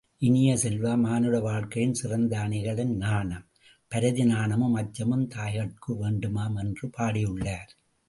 இனிய செல்வ, மானுட வாழ்க்கையின் சிறந்த அணிகலன் நாணம், பரதி, நாணமும் அச்சமும் தாய்கட்கு வேண்டுமாம் என்று பாடியுள்ளார்.